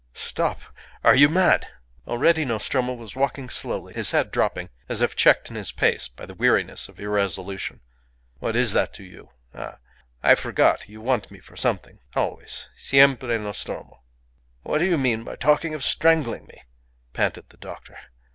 "Stop! Are you mad?" Already Nostromo was walking slowly, his head dropping, as if checked in his pace by the weariness of irresolution. "What is that to you? Ah! I forgot you want me for something. Always. Siempre Nostromo." "What do you mean by talking of strangling me?" panted the doctor.